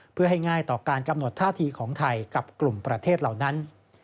เพื่อให้ง่ายต่อการกำหนดท่าทีของไทยกับกลุ่มประเทศเหล่านั้น